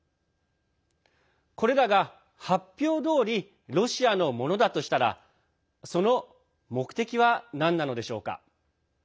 これらが発表どおりロシアのものだとしたらその目的は、なんなのでしょうか。